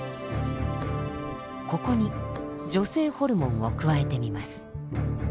ここに女性ホルモンを加えてみます。